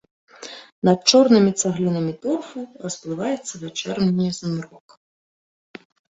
Над чорнымі цаглінамі торфу расплываецца вячэрні змрок.